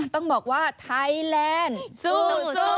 ต้องบอกว่าไทยแลนด์สู้